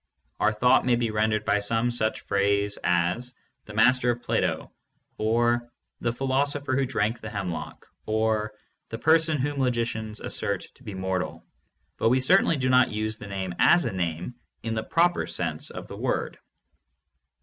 Our thought may be rendered by some such phrase as, "The Master of Plato," or "The philos opher who drank the hemlock," or "The person whom logi cians assert to be mortal," but we certainly do not use the name as a name in the proper sense of the word.